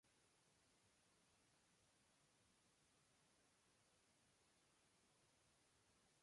Este espacio era muy reducido debido a la presencia de un foso defensivo.